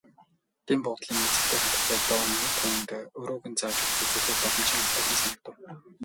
Дэн буудлын эзэгтэй хатагтай Дооне түүнд өрөөг нь зааж өгч үзүүлэхэд боломжийн аятайхан санагдав.